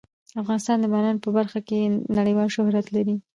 افغانستان د باران په برخه کې نړیوال شهرت لري.